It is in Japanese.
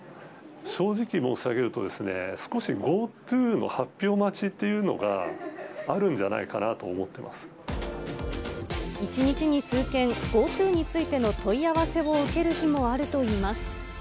正直申し上げると、少しＧｏＴｏの発表待ちっていうのが、あるんじゃないかなと思１日に数件、ＧｏＴｏについての問い合わせを受ける日もあるといいます。